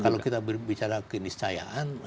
ya kalau kita bicara keniscayaan